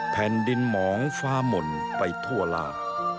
แผ่นดินหมองฟ้าหม่นไปทั่วลา